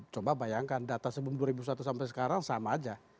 coba bayangkan data sebelum dua ribu satu sampai sekarang sama aja